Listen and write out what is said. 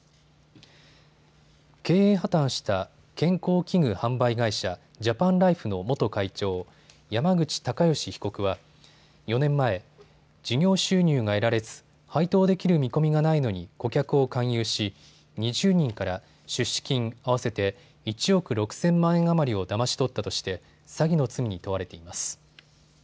経営破綻した健康器具販売会社、ジャパンライフの元会長、山口隆祥被告は４年前、事業収入が得られず配当できる見込みがないのに顧客を勧誘し２０人から出資金合わせて１億６０００万円余りをだまし取ったとして詐欺の罪に問われています。